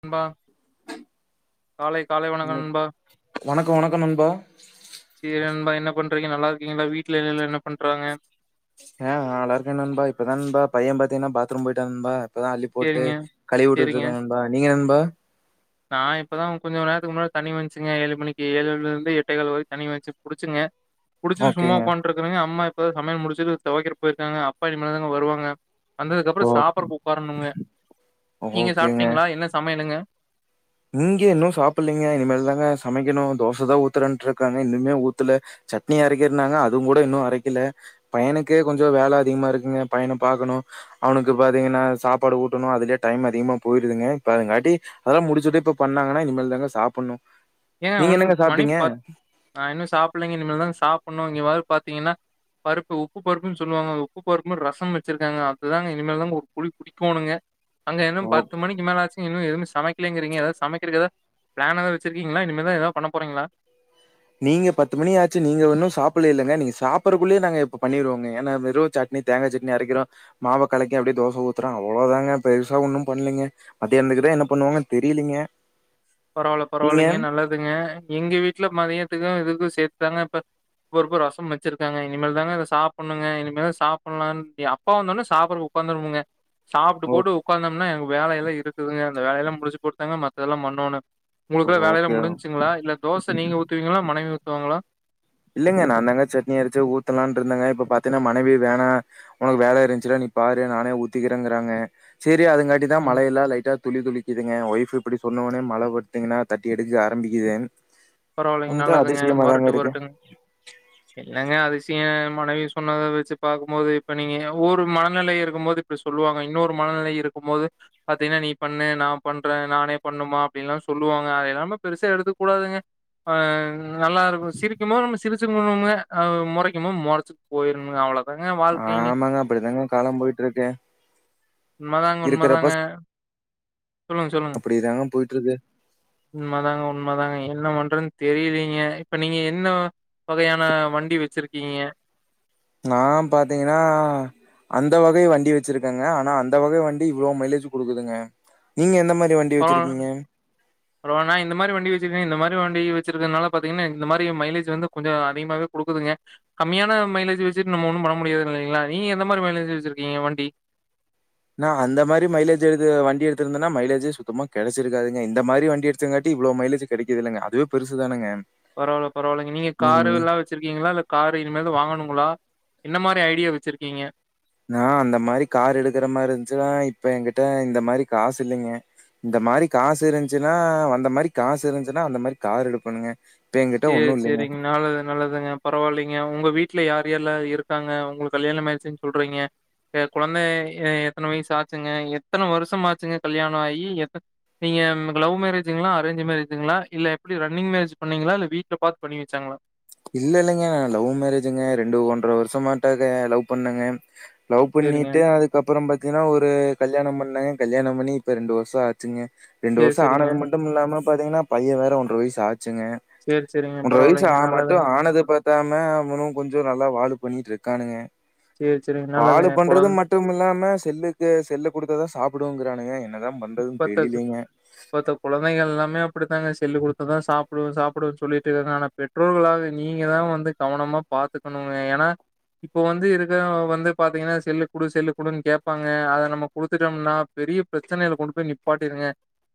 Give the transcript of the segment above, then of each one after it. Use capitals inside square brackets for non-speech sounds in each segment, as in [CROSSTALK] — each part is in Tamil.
நண்பா காலை காலை வணக்கம் இன்னைக் நண்பா வணக்கம் வணக்கம் நண்பா என்ன பண்றீங்க நல்லா இருக்கங்களா வீட்டல என்னன ஆஹ நல்லாருக்க நண்பா இப்பதா நண்பா பையன் பாத்தீங்கன்னா பா பாத்ரூம் போயிட்டா நண்பா இப்பதான் அள்ளி போட்டு சேரிங்க கழுவி விட்டுட்டு சேரிங்க இருக்கா நண்பா நீங்க ப [UNINTELLIGIBLE] நான் இப்பதான் கொஞ்சம் நேரத்துக்கு முன்னாடி தண்னி வந்துச்சுங்க ஏழு மணிக்கு ஏழுல இருந்து எட்டை கால் வரை தனி வச்சு புடிச்சங்க புடிச்சட்டு சும்மா ஓகேங்க உக்காண்ட்டு இருக்கறங்க அம்மா இப்போ தான் சமையல் முடிச்சுட்டு துவைக்கிறதுக்கு போயிருக்காங்க அப்பா இனமே தாங்க வருவாங்க வந்ததுக்கு ஓ அப்புறம் சாப்பிடடுறதுக்கு உட்காரணுங்க நீங்க ஓகேங்க சாப்பிட்டீங்களா என்ன சமையலுங்க இங்க இன்னும் சாப்பிடலீங்க இனிமதிரிதாங்க சமைக்கணும் தோசை தான் ஊத்துறன்ட்டு இருக்காங்க இன்னுமே ஊத்துல சட்னி அரைக்கிருனாங்க அதுவும் கூட இன்னும் அரைக்கல பையனுக்கே கொஞ்சம் வேலை அதிகமா இருக்குங்க பையனை பாார்கக்கணும் அவனுக்கு பாாரத்தீங்கன்னா சாப்பாடு ஊட்டணும் அதுலயே டைம் அதிகமா போயிடுதுங்க இப்ப அததுங்காட்டி அதெல்லாம் முடிச்சு ட்டு இப்ப பண்ணாங்கன்னா இனிமேல் தாங்க சாப்பிடணும் ஏன் ஒன்னும் மணி பத் நான் இன்னும் சாப்பிடலங்க இனிமேல் தான் சாப்பிடணும் இங்கே பாத்தீங்கன்னா பருப்பு உப்பு பருப்புன்னு சொல்லுவாங்க உப்பு பருப்புன்ன ரசம் வச்சிருக்காங்க அதுதாங்க இனிமேல் தாங்க ஒரு புடி பிடிக்கோணுங்க அங்க இன்னும் ஓ பத்து மணிக்கு மேல ஆச்சு இன்னும் எதுவுமே சமைக்கலேங்கிறீங்க ஏதாவது சமைக்கிறக்கதா பிளானதான் வச்சுட்டு [UNINTELLIGIBLE] இருக்கீங்களா இனிமேதான் ஏதாவது பண்ண போறீங்களா நீங்க பத்து மணியாச்சு நீங்க ஒன்னும் சாப்பிடல இல்லைங்க நீங்க சாப்படுறக்குள்ளயே நாங்க இப்ப பண்ணியிருவோங்க ஏன்னா வெரு சட்னி தேங்காய் சட்னி அரைக்கிறோம் மாவ கலைக்கி அப்படியே தோசை ஊத்துறோம் அவ்வளவுதாங்க பெருசா ஒன்னும் பண்ணலீங்க மத்தியானத்துக்கு தான் என்ன பண்ணுவாங்கு தெரியலீங்க பரவாயில்ல நீங்க? பரவாயில்லைங்க நல்லதுங்க எங்க வீட்டுல மதியம் துக்கும் இதுக்கும் சேர்த்துதாங்க இப்பபைக்கும் ரசம் வச்சிருக்காங்க இனிமேல் தாங்க சாப்பண்ணுங்க இனிமேதான் சாப்பலாம் அப்பா வந்த உடனே சாப்பிடறகு உட்காந்துருனுங்க சாப்பிட்டு ஓ போட்டு உட்கார்ந்தோம்னா எ வேலைய எல்லாம் இருக்குதுங்க அந்த வேல எல்லாம் முடிஞச்சு கொடுத்தாங்க மத்தெல்லாம் பண்ணோன்னு உங்களுக்கு எல்லாம் வேலை எல்லாம் ஓகே. முடிஞ்சுச்சுங்களா இல்ல தோசை நீங்க ஊத்துவீங்களா மனைவி ஊ துவாங்களா [UNINTELLIGIBLE] இல்லைங்க நான் தாங்க சட்னியரையிச்சு ஊத்தலாம்னு இருந்தேங்க இப்ப பாத்தீங்கன்னா மனைவி வேணா உனக்கு வேலை இருந்துச்சுல நீ பாரு நானே ஊத்திக்கிறேங்கிறாங்க சரி அதுங்காட்டி தான் ம். மழை எல்லாம் லைட்டா தூ துளி துளி துளிங்க ஒய்ஃப் இப்படி சொன்னோடனே மழை பத்துங்கன்னா தட்டி எடுக்க ஆரம்பிக்குது பரவாயில்லைங்க கொஞ்சம் நல்லதுங்க அதிசயமா தாங்க வறட்டு இருக்கு. வருட்டுங்க இல்லங்க அதிசய மனைவி சொன்னதை வச்சு பார்க்கும்போது இப்ப நீங்க ஒரு மனநிலை இருக்கும்போது இப்படி சொல்லுவாங்க இன்னொரு மனநிலை இருக்கும்போது பாார்த்தீங்கன்னா நீ பண்ணு நான் பண்றேன் நானே பண்ணுமா அப்படின்ல்லாம் சொல்லுவாங்க அது ஏல்லாமே பெருசா எடுத்துக்க கூடாதுங்க ஆஹ [UNINTELLIGIBLE] நல்லா இருக்கும் சிரிக்கும்போ நம்ம சிரிச் முறைக்கு போது முறைச்சுட்டு போயிருங்க அவ்வளோ ஆமாங்க அப்படிதாங்க காலம் போயிட்டு இருக்கு உண்மைதாங்க உண்மைதாங்க அப்படிதாங்க போயிட்டு விட்டுருக்கு உண்மைதாங்க உண்மைதாங்க என்ன பண்றன்னு தெரியலீங்க இப்ப நீங்க என்ன வகையான வண்டி வச்சிருக் கீங்க நா பாத்தீங்கன்னா அந்த வகை வண்டி வச்சிருக்கேங்க ஆனா அந்த வகை வண்டி இவ்வளோ மைலேஜ் கொடுக்குதுங்க நீங்க எந்த மாரி வண்டி வச்சிருக்கீங்க நான் இந்த மாதிரி வண்டி வச்சிருக்கேன் இந்த மாதிரி [UNINTELLIGIBLE] வண்டி வச்சிருக்கதுனால பாத்தீங்கன்னா இந்த மாரி மைலேஜ் வந்து கொஞ்ச அதிகமாவே குடுக்குதுங்க கம்மியான மைலேஜ் வச்சிட்டு நம்ம ஒன்னும் பண்ண முடியாது இல்லலைங்களா நீங்க எந்த மாதிரி மைலேஜ் வச்சிருக்கீங்க வண்டி நான் அந்த மாரி மைலேஜ் வண்டி எடுத்து இருந்தேன்னா மைலேஜே சுத்தமா கிடைச்சிருக்காங்க இந்த மாரி வண்டி எடுச்சங்காட்டி இவ்ளவு மைலேஜ் கிடைக்குத இல்லங்க அதுவே பெருசுதானுங்க பரவாயில்ல பரவாயில்லைங்க நீங்க காரு எல்லாம் வச்சிருக்கீங்களா இல்ல காரு இனிமேலும் தான் வாங்கணுங்களா என்ன மாரி ஐடியா வச்சிருக்கீங்க நான் அந்த மாரி கார் எடுக்கற மாரி இருந்துச்சுன்னா இப்ப என்கிட்ட இந்த மாரி காசு இல்லைங்க இந்த மாரி காசு இருந்துச்சுன்னா அந்த மாரி காசு இருந்துச்சுன்னா அந்த மாரி கார் எடுப்பேணுங்க ஓகே சேரிங்க நால நல்லதுாங்க பரவாயில்லைங்க உங்க வீட் வீட்ல யார் யாரெல்லாம் இருக்காங்க உங்களுக்கு கல்யாண ஆயிடுச்சு சொல்றீங்க குழந்தை எத்தன வயசு ஆச்சுங்க எத்தன வருஷம் ஆச்சுங்க கல்யாணம் ஆகி நீங்க லவ் மேரேஜ் ங்கலாம அரேஞ்ச் மேரேஜ்ங்களா இல்ல எப்படி ரன்னிங் மேரேஜ் பண்ணீங்களா இல்ல வீட்டுல பாத்து பண்ணி வச்சாங்களா இல்ல இல்லைங்க நான் லவ் மேரேஜ்ங்க ரெண்டு ஒன்ற வருஷமாட்டா லவ் பண்ணங்க லவ் சேரிங்க பண்ணிட்டு அதுக்கப்பறம் பார்த்திங்கன்னா ஒரு கல்யாணம் பண்ணேன் கல்யாண பண்ணி இப்ப ரெண்டு வருஷம் ஆச்சுங்க ரெண்டு சேரி வருஷம் சேரிங்க ஆனது மட்டும் இல்லாமனு பாத்தீங்கன்னா பையன் வேற ஒன்றர வயசு ஆச்சுங்க சேரி சேரிங்க ஒன்றரை வயசு பரவாயில்லைங்க ஆமாட் நல்லதுங்க ஆனது பாத்தாம அவனும் கொஞ்ச நல்லா வாழ பண்ணிட்டு இருக்கானுங்க சேரி சேரிங்க பாடு நல்லதுங்க பண்றது குழந் மட்டும் இல்லாம செல்லுக்கு செல்லு கொடுத்த தான் சாப்பிடுங்கறானங்க என் இப்பத்தப்பமத்த குழந்தைகள் எல்லாமே அப்படித்தாங்க செல்லு குடுத்ததான் சாப்ப சாப்பிடனு சொல்லிட்டு இருக்காங்க ஆனா பெற்றோர்களாக நீங்க தான் வந்து கவனமா பாத்துக்கணுங்க ஏன்னா இப்ப வந்து இருக்க வந்து பாத்தீங்கன்னா செல்லு குடு செல்லு குடுன்னனு கேப்பாங்க அத நம்ம குடுத்துட்டோம்னா பெரியா பிர பிரச்சனில கொண்டு போய்நிப்பாட்டி இருங்க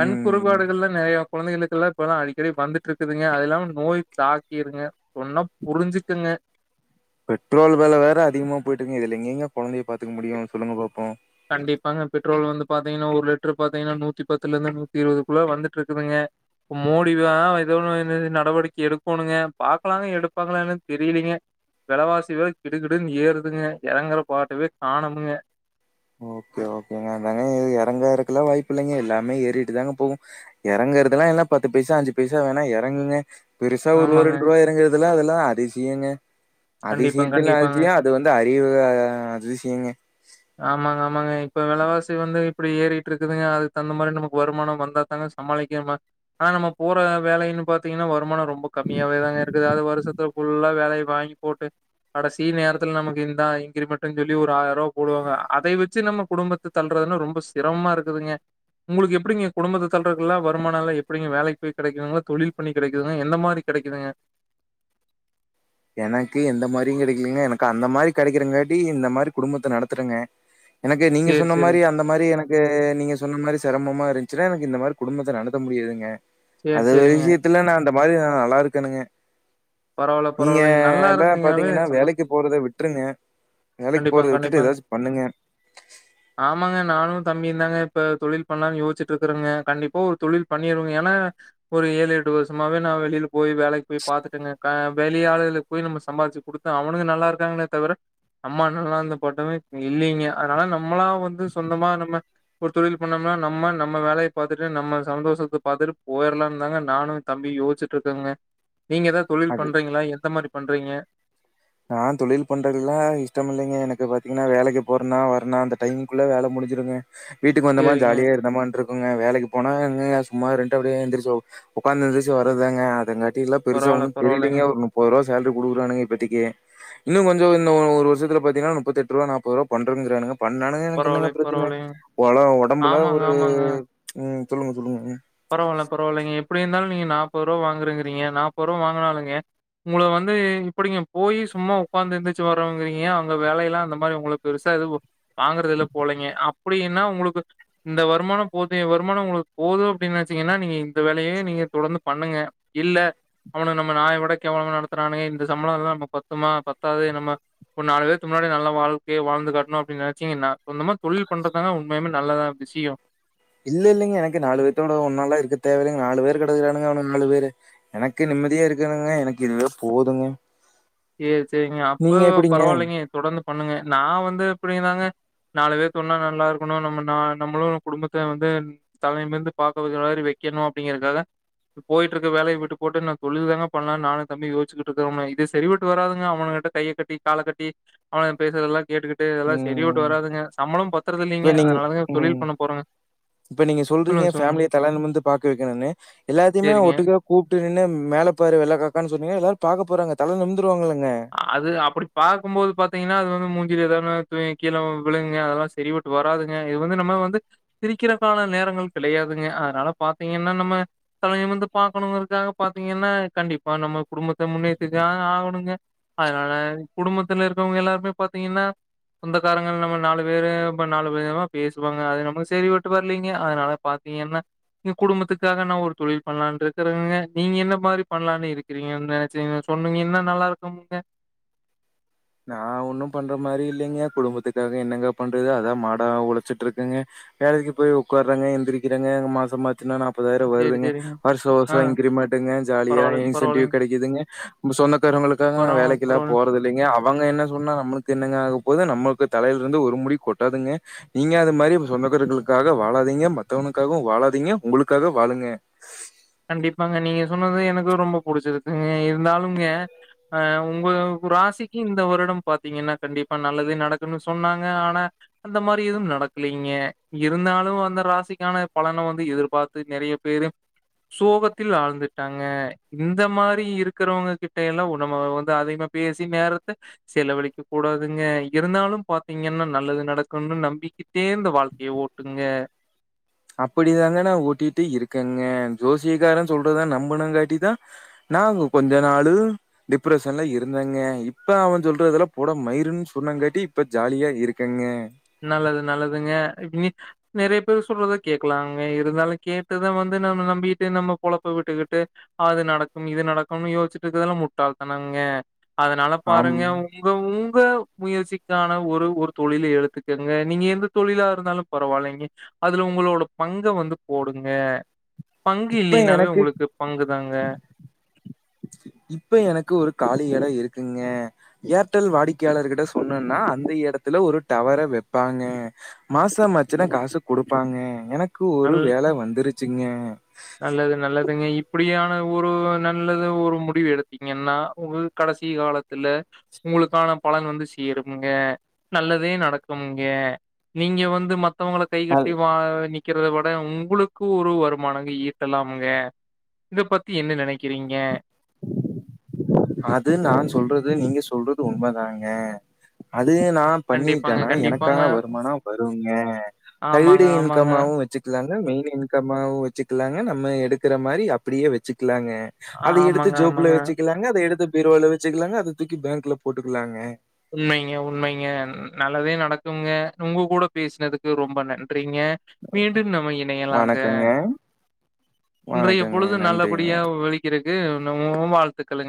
கண் ம் குறைபாடுகள்லாம் நிறைய குழந்தைகளுக்கு இப்பல்லாம் அடிக்கடி வந்துட்டு இருக்குதுங்கதுல்லாம நோய் தாக்கிருங்க சொன்னா புரிஞ்சுக்குங்க பெட்ரோல் வெல வேற அதிகமா போயிட்டு இருக்குங்க இதுல எங்கங்க குழந்தைய பார்த்துக்க முடியும் சொல்லங்க பாப்போம் கண்டிப்பாங்க பெட்ரோல் வந்து பாத்தீங்கன்னா ஒரு லிட்டரு பாத்தீங்கன்னா நூத்தி பத்துல இருந்து நூத்தி இருபதுக்குள்ள வந்துட்டு இருக்குதுங்க இப்ப மோடி ஏதோ நடவடிக்கை எடுக்கணுங்க பாக்கலாங்க எடுப்பாங்களாம் தெரியலீங்க விலைவாசி வே கிடுகிடுன்னு ஏறுதுங்க இறங்குற பாட்டவே காணங்க ஓகே ஓகேங்க ஓகோங்க அதாங்க இறங்கறதுக்குல்லாம் வாய்ப்பு இல்லைங்க எல்லாமே ஏறிட்டுதாங்க போகும் இறங்குறதெல்லாம் எல்லாம் பத்து பைசா அஞ்சு பைசா வேணா இறங்குங்க பெருசா ஒரு ரூபா ஆமாங்க இரண்டு ரூபா இறங்காது அதெல்லாம் அதெல்லாம் அதிசியங்க கண்டிப்பா அதிசயத்துல்ல கண்டிப்பாங்க ஆச்சுதா அது வந்து அறிவு அதி செய்யுங்க ஆமாங்க, ஆமாங்க. இப்ப விலைவாசி வந்து இப்படி ஏறிட்டு இருக்குதுங்க அது தகுந்த மாதிரி நமக்கு வருமானம் வந்தாத்தாங்க சமாளிக்கிற ஆனா நம்ம போற வேலைன்னு பாத்தீங்கன்னா வருமானம் ரொம்ப ரொம்ப கம்மியாவ தான் இருக்கு அது வருத்து புல்லா வேலையை வாங்கி போட்டு கடை சி நேரத்தில் நமக்கு இந்த இங்கிரிமேன்டுனு சொல்லி ஒரு ஆயிரம் ரூபா போடுவாங்க அதை வச்சு நம்ம குடும்பத்தை தள்ளறதுன்னா ரொம்ப சிரமா இருக்குதுங்க உங்களுக்கு எப்படிங்க குடும்பத்தை தள்ளறதுக்கு எல்லாம் வருமானம் எ எப்படிங்க வேலைக்கு போய் கிடைக்குதுங்கள தொழில் பணி கிடைக்குதுங்க எந்த மாரி கிடைக்குதுங்க எனக்கு எந்த மாதிரியும் கிடைக்கலங்க எனக்கு அந்த மாதிரி கிடைக்குறங்காட்டி இந்த மாதிரி குடும்பத்தை நடத்துடுங்க எனக்கு நீங்க சரி, சொன்ன மாதிரி சரிங்க. அந்த மாதிரி எனக்கு நீங்க சொன்ன மாதிரி சிரமமா இரு அக்சுவல எனக்கு இந்த மாதிரி குடும்பத்த நடத்த முடியாதுங்க சரி, அது சரிங்க. வஷயத்துல நான் பையன் நல்லா இருக்கானுங்க பரவால்ல, நீங்க பரவால்லங்க. நல்லா எல்லாம் இருந்தீங்கனாவே பாத்தீங்கன்னா வேலைக்கு சந்தோஷம். போறத விட்டுருங்க வேலைக்கு கண்டிப்பாங்க, போறத விட்டுட்டு கண்டிப்பாங்க. ஏதாச்சும் பண்ணுங்க ந்தாங்க இப்ப தொழில் பண்ணலா யோச்சுட்டு இருக்குறங்க கண்டிப்பா ஒரு தொழில் பண்ணிருவங்க ஏன்னா ஒரு ஏழு எட்டு வருமாவே நான் வெளியில போய் வேலைக்கு போய் பாத்துட்டேங்க வெளிய ஆளுகளுக்கு போய் நம்ம சம்பாதிச்சு கொடுத்த அவனுங்க நல்லா இருக்காங்கே தவிர அம்மா நல்லா இருந்த பட்டமே இல்லைங்க அதனால நம்மளாம் வந்து சொந்தமா நம்ம ஒரு தொழில் பண்ணோம்னா நம்ம நம்ம வேலையை பார்த்துட்டு நம்ம சந்தோஷத்தை பார்த்துட்டு போயிடலாம்னுந்தாங்க நானும் தம்பி யோசிச்சுட்டு இருக்கங்க நீங்க ஏதாவது தொழில் பண்றீங்களா எந்த மாரி பண்றீங்க நா தொழில் பண்றதுகுதா இஷ்டமில்லங்க எனக்கு பாத்தீங்கன்னா வேலக்கி போறேனா வரேனா அந்த டைகுள்ள வேல முடிஞ்சுருங்க வீட்டுக்கு வந்தமா சரிங்க. ஜாலியே இருந்தமா ட்ரு வுங்க வேலக்கு போனாங்க சும்மா இருந்துட்டு அப்டியே எந்திருச்சு உட்காந்து எந்துருச்சி வரதாங்க அதங்காட் ல்ல பெருசா பரவால்ல, ஒன்னு தெரிலீங்க பரவால்லைங்க. ஓர் முப்பரூவ சால்ரி குடுக்குறாங்க இப்பத்திக்கி இன்னு கொஞ்ச இந்த ஒரு வருஷத்துல பாத்தீங்கனா நுப்பதெட்டுரூவா நாப்பரூவா பண்றனுராங்க பண்ணானுங்க எனக் என்னங்க பரவால்லை, பிரச்சன பரவால்லைங்க. ஒல ஒடம்புல ஆமாங்க, ஒரு உம் சொல்லுங்க சொல்லுங்க பரவால பரவாலிங்க எப்டியாயிந்தாலும் நீங்க நாப்பதுரூவா வாங்குருகிறீங்க நாப்பதுரூவா வாங்குனாளுங்கே உங்கள வந்து இப்படிங்க போய் சும்மா உக்காந்து எந்துருச்சு வரவுங்றீங்க அங்க வேலயெல்லா அந்த மாரி உங்களுக்கு பெருசா எது வாங்குறது இல்ல போலிங்க அப்படின்னா உங்களுக்கு இந்த வருமானம் போதிய வருமானம் உங்களுக்கு போது இப்டின் நச்சீங்கன்னா நீங்க இந்த வேலயே நீங்க தொடர்ந்து பண்ணுங்க இல்ல அவுன நம்ம நாய் விட கேவலமா நடத்துறானுங்க இந்த சம்பளலா நமக்பத்துமா பத்தாது நம்ம ஒரு நாலு பேத்துகு முன்னாடி நல்ல வாழ்க்கய வாழ்ந்து காட்டணு அப்டின் நெனச்சீங்கன்ன சொந்தமா தொழில் பண்றதாங்க உண்மையலுமே நல்லதா சியோ இல்ல இல்லங்க எனக்கு நாலு பேத்தோட ஒன்னாளா இருக்க தேவலிங்க நாலு பேரு கெடக்கிறாங்க அவனு நாலு பேரு எனக்கு நிம்மதியா இருக்கணுங்க எனக்கு இதுவே போதுங்க ஏ சேரிங்க அப்ப நீங்க எப்டிங்க பரவாயில்லிங்க தொடந்து பண்ணுங்க நா வந்து இப்டிந்தாங்க நாலு பேக்கு ஒன்னா நல்லாருக்கணு நம்ம ந நம்மளு குடும்பத்த வந்து தலைமந்து பார்க்துர மாரி வக்கணும் அப்டிங்குறக்காக போய்ட்ருக்க வேலய விட்டு போட்டு நா தொழில் தாங்க பண்ணலா நானும் தம்பியும் யோச்சுட்டு இருக்கோம் இதே செரிவட்டு வராதுங்க அவனுங்கிட்ட கைய கட்டி கால கட்டி அவ பேசுறதல்லா கேட்டுக்கிட்டு இதல்லா செரிபட்டு வராதுங்க சம்பளம் பத் இப்பலிங் உம் இப்ப நீங்க சொல்றீங்க சொல்லுங்க, சொல்லுங்க. ஃபமலிய தல நுமுந்து பாக்க வக்கணுனு எல்லாத்தையுமே சேரிங்க. ஒட்டுக்க கூப்டு நின்னு மேல பாரு வெள்ளக்காக்கான் சொன்னீங் பாக்க போறங்க தல நிமுந்து அது அப்டி பாக்குபோது பாத்தீங்கனா அது வந்து மூஞ்சுலே தானே கீழ விழுங்க அதெல்லா சரிவட்டு வராதுங்க இது வந்து நம்ம வந்து சிரிக்கற கால நேரங்கள் கிடையாதுங்க அதனால பாத்தீங்கன்னா நம்ம தல நிமுந்து பாக்கணுங்கரதுக்காக பாத்தீங்கன்னா கண்டிப்பா நம்ம குடும்பத்த முன்னேத்தி தான் ஆகணுங்க அதனால குடும்பத்துல இருக்கவங்க எல்லாருமே பாத்தீங்கன்னா சொந்தக்காரங்கள் நம்ம நாலு பேரு நாலுவிதமா பேசுவாங்க அது நமக் சரிவட்டு வர்லீங்க அதனால பாத்தீங்கன்னா குடும்பத்துக்காக நா ஒரு தொழில் பண்ணலான்ட்டு ருக்கறங்க நீங்க என்ன மாரி பண்ணல இருக்கிறீங்க நெனச்சு சொன்னீங்னா நல்லா இரு [UNINTELLIGIBLE] நா ஒன்னு பண்ற மாரி இல்லிங்க குடும்பத்துக்காக என்னங்க பண்றது அதா மாடா உழச்சுட்டுருக்கங்க வேலைக்கு போய் உக்காறங்க எந்திரிக்கிறங்க மாச மாச்சின்னா முப்பதாயிர சேரி வருதுங்க சேரிங்க. வருஷ ஆ வருஷ இன்கிரீமெட்டுங்க ஜாலியா பரவால்லைங்க, இன்சென்டிவ் பரவால்லைங்க. கெடக்குதுங்க [UNINTELLIGIBLE] சொன்ன காரங்களுக்காக பரவா வேலக்கில்லா பரவால்லங்க. போறதில்லைங்க அப் அவங்க என்ன சொன்னா நம்ளுக்கு என்னங்க ஆக போது நம்மக்கு தலயிலருந்து ஒரு முடி கொட்டாதுங்க நீங்க அது மாரி சொந்தகாரங்களுக்காக வாழாதீங்க மத்தனுக்காகவு வாழாதீங்க உங்களுக்காக வாழுங்க கண்டிப்பாங்க. நீங்க சொன்னது எனக்கு ரொம்ப புடிச்சிருக்குங்க இருந்தாலும்ங்க ஆஹ் உங்க ராசிக்கு இந்த வருட பாத்தீங்கன்னா கண்டிப்பா நல்லதுே நடக்குணு சொன்னாங்க ஆனா அந்த மாரி எதுவு நடக்லீங்க இருந்தாலு அந்த ராசிக்கான பலன வந்து எதிர்பாத்து நறய பேரு சோகத்தில் ஆழ்ந்துட்டாங்க இந்த மாரி இருக்கிறவங்க கிட்டல்லா நம வந்து அதிகமா பேசி நேரத்த செலவழிக்க கூடாதுங்க இருந்தாலு பாத்தீங்கன்னா நல்லது நடக்கணு நம்பிக்கிட்டே இந்த வாழ்க்கய ஓட்டுங்க அப்படி தாங்க நா ஓட்டிட்டு இருக்கங்க ஜோசியகாரன் சொல்றதுத நம்புனு காட்டிதா நா கொஞ்ச நாளு டிப்ரஷன்ல இருந்தங்க இப்ப அவ சொல்றதல்லா போட மயிருன் சொன்னாங்காட்டி இப்ப ஜாலியா இருக்கங்க நல்லது நல்லதுங்க இ நெறய பேர் சொல்றத கேக்லாங்க இருந்தாலு கேட்டுதா வந்து நம்ல நம்பிகிட்டு நம்ம பொழப்ப விட்டுகிட்டு அது நடக்கும இது நடக்குனு யோசிச்சிட்டு இந்தால்லா முட்டாள் தனங்க அதனால ஆம் பாருங்க உங்க ஊ முயற்சிக்கான ஒரு ஒரு தொழில எழுத்து குங்க நீங்க எந்த தொழிலா இருந்தாலும் பரவாயில்லைங்க அதுல உங்களோட பங்க வந்து போடுங்க பங்கு இப்ப இல்லினாவே எனக்கு உங்களுக்கு பங்கு தாங்க இப்ப எனக்கு ஒரு காலி இடம் இருக்குங்க ஏர்டெல் வாடிக்கையாளர்கிட்ட சொன்னும்ன்னா அந்த இடத்துல ஒரு டவரை வைப்பாங்க மாசம்மாச்சின காசு கொடுப்பாங்க எனக் க்கு ஒரு நல் வேல வந்துருச்சுங்க நல்லது நல்லதுங்க. இப்டியான ஒரு நல்லது ஒரு முடிவு எடுத்தீங்கன்னா உ கடைசி காலத்துல உங்களுக்கான பலன் வந்து சேரும்ங்க நல்லதே நடக்கும்ங்க நீங்க வந்து மத் தவங்களை அது கைகட்டி வா நிக் ருக்கிறத விட உங்களுளுக்கு ஒரு வருமானம் ஈட்டலாம்ங்க இத பத்தி என்ன நெனைக்கிறீங்க அது நான் சொல்றது நீங்க சொல்றது உண்மதாங்க அத் து நான் கண்டிப்பாங்க, பண்ணிட்டேனா கண்டிப்பாங்க. எனக்கான வருமானம் வருங்க சைடு ஆமாங்க, ஆமாங்க. இன்கம்மாவும் வச்சுக்கலாங் மெயின் இன்கமும் வச்சுக்கலாங்க நம்ம எடுக்கிற மாரி அப்படியே வச்சுக்கலாங்க அது எடுத்து ஆமாங்க, ஜோப்புல ஆமாங்க. வச்சுக்கல எடுத்து பீரோல வச்சுக்கலாங்க அதை தூக்கி பேக்ல போட்டுக்கலாங்க உண்மைங்க உண்மைங்க நல்லதே நடக்கும்ங்க உங்க கூட பேசினதுக்கு ரொம்ப நன் ன்றிங்க மீண்டும் நம்ம இணையலாங்க வணக்கங்க, இன்றைய வணக்கங்க. பொழுது நன்றிங்க. நல்லபடிய விளிக்கிற [UNINTELLIGIBLE] வாழ்த்துக்களு